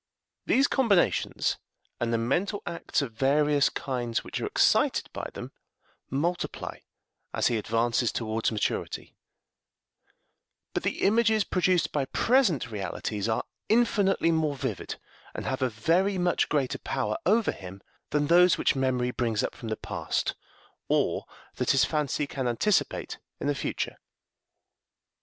These combinations, and the mental acts of various kinds which are excited by them, multiply as he advances towards maturity; but the images produced by present realities are infinitely more vivid and have a very much greater power over him than those which memory brings up from the past, or that his fancy can anticipate in the future.